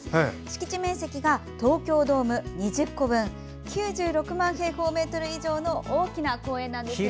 敷地面積が東京ドーム２０個分９６万平方メートル以上の大きな公園なんです。